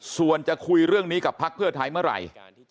ส่วนจะคุยเรื่องนี้กับพักเพื่อไทยเมื่อไหร่